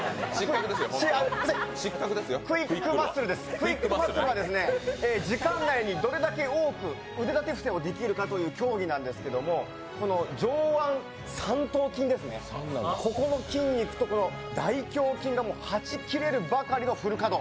ＱＵＩＣＫＭＵＳＣＬＥは時間内にどれだけ多く腕立て伏せをできるかという競技なんですけど上腕三頭筋ですね、ここの筋肉と大胸筋がはち切れるばかりのフル稼働。